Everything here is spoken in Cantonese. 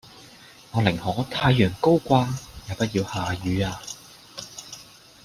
我寧可太陽高掛也不要下雨呀！